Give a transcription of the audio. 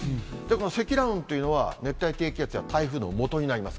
この積乱雲というのは、熱帯低気圧や台風のもとになります。